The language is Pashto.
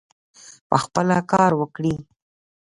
پخپله کار وکړي.